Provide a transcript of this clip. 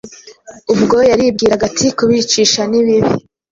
Ubwo yaribwiraga ati, Kubicisha ni bibi;